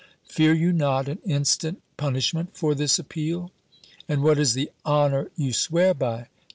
fear you not an instant punishment for this appeal? And what is the honour you swear by?